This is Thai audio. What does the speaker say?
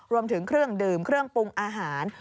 รวมถึงเครื่องดื่มเครื่องปรุงอาหาร